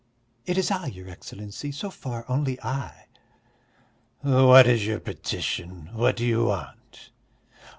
"It's I, your Excellency, so far only I." "What is your petition? What do you want?"